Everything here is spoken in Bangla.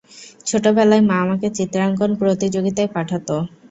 ছোটবেলায় মা আমাকে চিত্রাঙ্কন প্রতিযোগিতায় পাঠাতো।